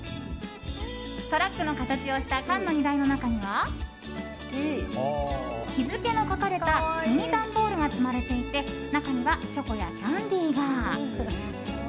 トラックの形をした缶の荷台の中には日付の書かれたミニ段ボールが積まれていて中にはチョコやキャンディーが。